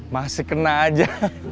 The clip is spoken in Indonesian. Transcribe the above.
masih kena aja